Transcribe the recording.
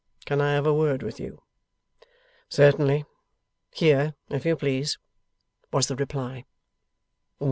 Can I have a word with you?' 'Certainly. Here, if you please,' was the reply.